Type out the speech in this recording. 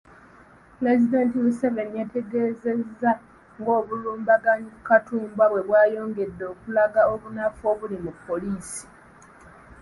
Pulezidenti Museveni yategeezezza ng’obulumbaganyi ku Katumba bwe bwayongedde okulaga obunafu obuli mu poliisi.